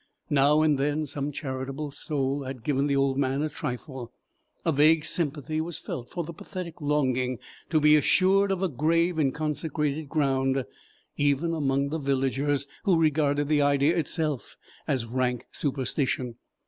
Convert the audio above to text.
Now and then some charitable soul had given the old man a trifle. A vague sympathy was felt for the pathetic longing to be assured of a grave in consecrated ground, even among the villagers who regarded the idea itself as rank superstition.